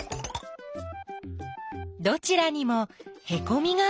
どちらにもへこみがあるみたい。